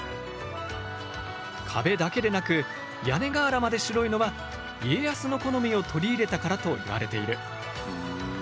壁だけでなく屋根瓦まで白いのは家康の好みを取り入れたからといわれている。